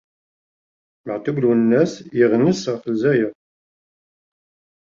Matoub Lounes yeɣnes ɣef Lezzayer.